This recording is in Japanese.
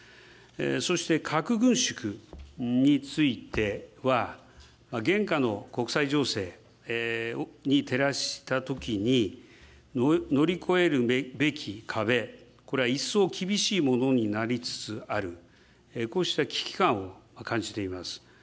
そして核軍縮については、現下の国際情勢に照らしたときに、乗り越えるべき壁、これは一層厳しいものになりつつある、こうした危機感を感じています。